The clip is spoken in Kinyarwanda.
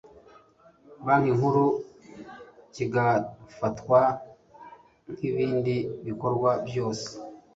Banki Nkuru kigafatwa nk ibindi bikorwa byose